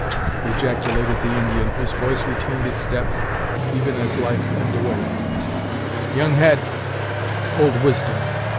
ejaculated the Indian, whose voice retained its depth even as life ebbed away; "young head old wisdom!"